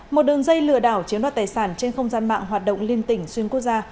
một đường dây lừa đảo chiếm đoạt tài sản trên không gian mạng hoạt động liên tỉnh xuyên quốc gia